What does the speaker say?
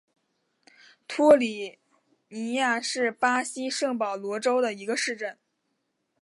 托里尼亚是巴西圣保罗州的一个市镇。